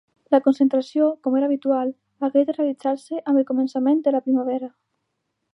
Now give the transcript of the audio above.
La concentració, com era habitual, hagué de realitzar-se amb el començament de la primavera.